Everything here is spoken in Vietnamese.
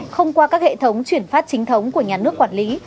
không qua các hệ thống chuyển phát chính thống của nhà nước quản lý